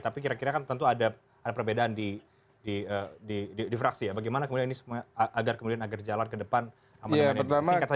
tapi kira kira kan tentu ada perbedaan di fraksi ya bagaimana kemudian ini agar kemudian agar jalan ke depan amandemen singkat saja